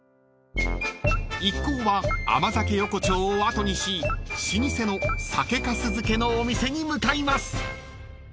［一行は甘酒横丁を後にし老舗の酒粕漬のお店に向かいます］